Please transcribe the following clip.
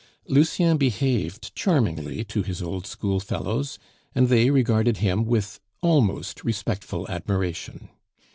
Lucien behaved charmingly to his old schoolfellows, and they regarded him with almost respectful admiration.